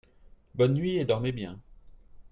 Bonne nuit et dormez bien !